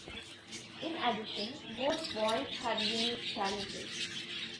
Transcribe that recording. In addition, both boys have unique challenges.